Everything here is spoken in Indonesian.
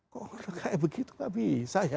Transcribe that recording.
kok kayak begitu gak bisa ya